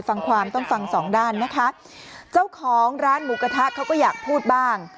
ฟังความต้องฟังสองด้านนะคะเจ้าของร้านหมูกระทะเขาก็อยากพูดบ้าง